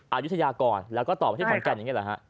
อายุทยากรแล้วก็ต่อไปที่ขอนแก่นอย่างนี้เหรอฮะ